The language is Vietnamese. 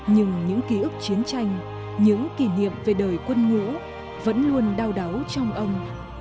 nhưng những ký ức chiến tranh những kỷ niệm về đời quân ngũ vẫn luôn đau đáu trong ông